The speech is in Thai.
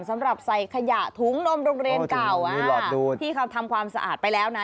สำหรับใส่ขยะถุงนมโรงเรียนเก่าที่เขาทำความสะอาดไปแล้วนะ